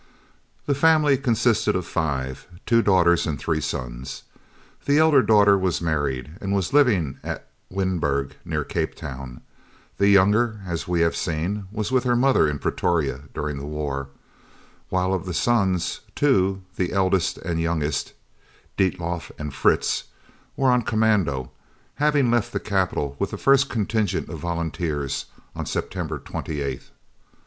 The family consisted of five, two daughters and three sons. The elder daughter was married and was living at Wynberg near Cape Town, the younger, as we have seen, was with her mother in Pretoria during the war, while of the sons, two, the eldest and the youngest, Dietlof and Fritz, were on commando, having left the capital with the first contingent of volunteers on September 28th.